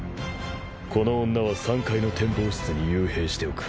この女は３階の展望室に幽閉しておく。